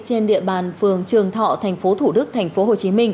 trên địa bàn phường trường thọ tp thủ đức